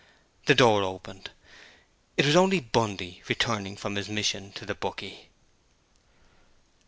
The door opened. It was only Bundy returning from his mission to the Bookie.